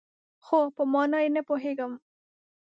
خو، په مانا یې نه پوهیږم